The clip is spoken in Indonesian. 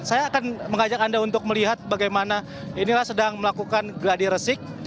saya akan mengajak anda untuk melihat bagaimana inilah sedang melakukan gladi resik